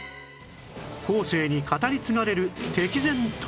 後世に語り継がれる敵前逃亡